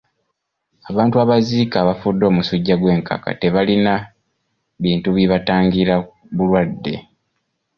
Abantu abaziika abafudde omusujja gw'enkaka tebalina bintu bibatangira bulwadde.